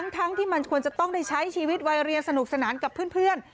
ทั้งที่มันควรจะต้องได้ใช้ชีวิตวัยเรียนสนุกสนานกับเพื่อน